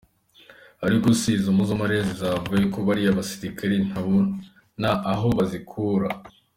Ariko se izo mpozamarira zizava he ko bariya basirikare ntabona aho bazikura?.